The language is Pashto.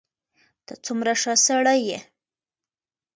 ته څومره ښه سړی یې.